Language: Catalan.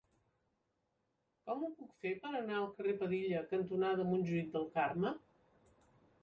Com ho puc fer per anar al carrer Padilla cantonada Montjuïc del Carme?